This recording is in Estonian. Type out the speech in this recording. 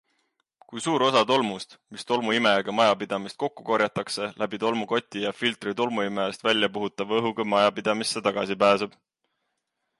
Kui suur osa tolmust, mis tolmuimejaga majapidamisest kokku korjatakse, läbi tolmukoti ja filtri tolmuimejast väljapuhutava õhuga majapidamisse tagasi pääseb?